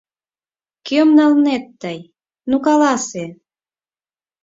«Кӧм налнет тый, ну каласе?»